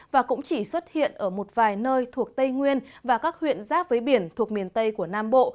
và cũng chỉ xuất hiện ở một vài nơi thuộc tây nguyên và các huyện giáp với biển thuộc miền tây của nam bộ